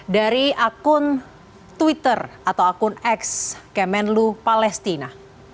dari akun twitter atau akun x kemenlu palestina